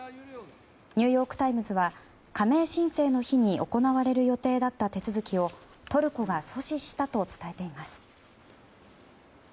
ニューヨーク・タイムズは加盟申請の日に行われる予定だった手続きをトルコが阻止したと伝えています。